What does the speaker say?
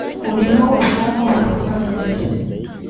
urimo ubwonko budakora neza